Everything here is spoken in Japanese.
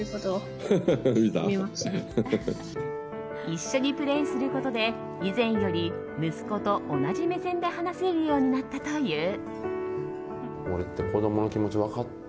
一緒にプレーすることで以前より息子と同じ目線で話せるようになったという。